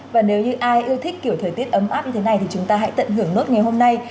và nếu như ai yêu thích kiểu thời tiết ấm áp như thế này thì chúng ta hãy tận hưởng nốt ngày hôm nay